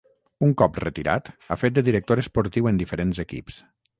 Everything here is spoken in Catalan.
Un cop retirat ha fet de director esportiu en diferents equips.